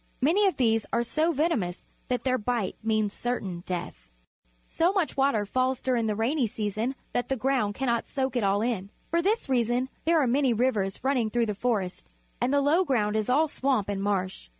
Many of these are so venomous that their bite means certain death. i^^a^' So much water falls during the rainy season that the ground cannot soak it all in. For this reason there are many rivers running through the forests, and the low ground is all swamp and marsh.